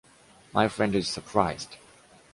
My friend is surprised.